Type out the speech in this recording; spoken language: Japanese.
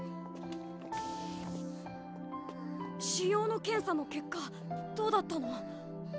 腫瘍の検査の結果どうだったの？